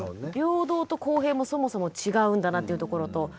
平等と公平もそもそも違うんだなっていうところと。